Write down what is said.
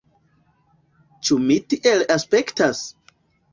Ĉu mi tiel aspektas?